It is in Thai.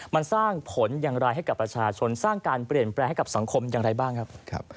มันสร้างผลอย่างไรให้กับประชาชนสร้างการเปลี่ยนแปลงให้กับสังคมอย่างไรบ้างครับ